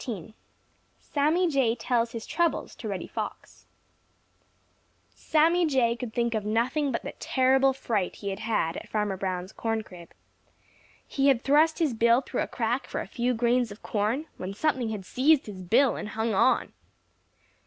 *XIII* *SAMMY JAY TELLS HIS TROUBLES TO REDDY FOX* Sammy Jay could think of nothing but the terrible fright he had had at Farmer Brown's corn crib. He had thrust his bill through a crack for a few grains of corn when something had seized his bill and hung on.